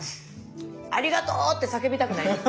「ありがとう！」って叫びたくなります。